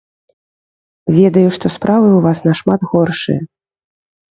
Ведаю, што справы ў вас нашмат горшыя.